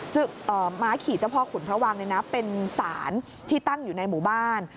ซึ่งม้าขี่เจ้าพ่อขุนระวังเป็นสารที่ตั้งอยู่ในหมู่บ้าน